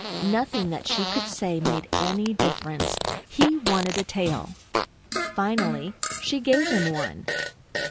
Nothing that she could say made any difference he wanted a tail. Finally she gave him one.